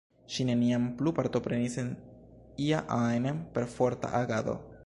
Ŝi neniam plu partoprenis en ia ajn perforta agado.